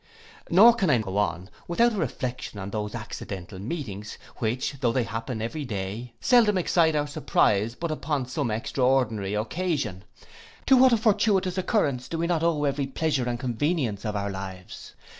Nor can I go on, without a reflection on those accidental meetings, which, though they happen every day, seldom excite our surprize but upon some extraordinary occasion. To what a fortuitous concurrence do we not owe every pleasure and convenience of our lives.